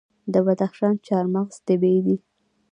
د بدخشان چهارمغز طبیعي دي.